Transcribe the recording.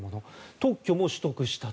特許も取得したと。